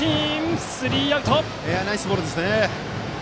ナイスボールです。